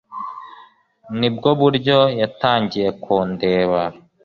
Nibwo buryo yatangiye kundeba